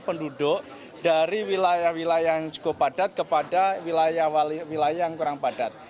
penduduk dari wilayah wilayah yang cukup padat kepada wilayah wilayah yang kurang padat